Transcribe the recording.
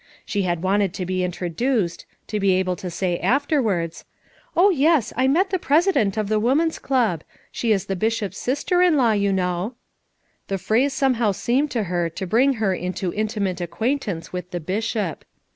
She had wanted to be introduced, to be able to say afterwards: "Oh, yes, I met the president of the woman's club; she is the Bishop's sister in law, you know." The phrase somehow seemed to her to bring her into inti mate acquaintance with the Bishop.